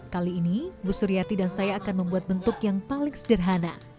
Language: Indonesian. kali ini bu suryati dan saya akan membuat bentuk yang paling sederhana